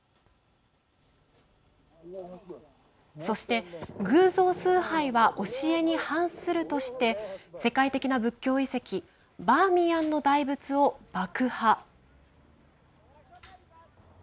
そして、偶像崇拝は教えに反するとして世界的な仏教遺跡バーミヤンの大仏を爆破。